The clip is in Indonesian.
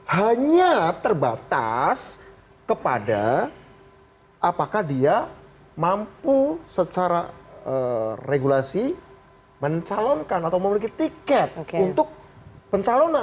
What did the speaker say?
hanya terbatas kepada apakah dia mampu secara regulasi mencalonkan atau memiliki tiket untuk pencalonan